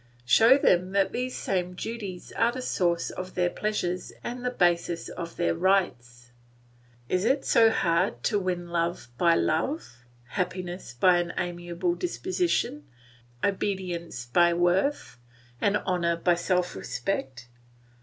Show them that these same duties are the source of their pleasures and the basis of their rights. Is it so hard to win love by love, happiness by an amiable disposition, obedience by worth, and honour by self respect?